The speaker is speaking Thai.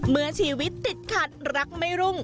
เมื่อชีวิตติดขัดรักไม่รุ่ง